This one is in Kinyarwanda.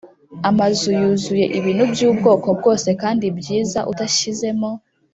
Amazu yuzuye ibintu by ubwoko bwose kandi byiza utashyizemo